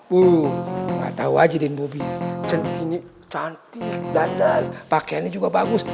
bu gak tau aja den bobi cendini cantik dandal pakaiannya juga bagus